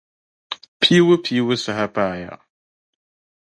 Piibu piibu saha paaya.